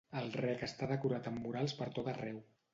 El Rec està decorat amb murals per tot arreu.